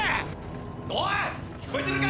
・おい聞こえてるか？